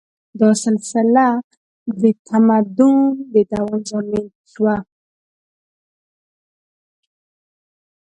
دا سلسله د تمدن د دوام ضامن شوه.